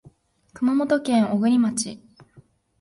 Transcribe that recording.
熊本県小国町